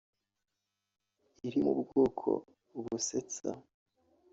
iri mu bwoko busetsa